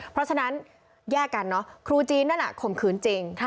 เพราะฉะนั้นแยกกันเนอะครูจีนนั่นข่มขืนจริง